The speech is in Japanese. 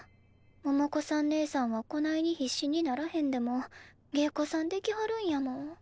百子さんねえさんはこないに必死にならへんでも芸妓さんできはるんやもん。